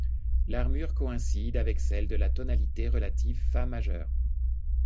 L'armure coïncide avec celle de la tonalité relative fa majeur.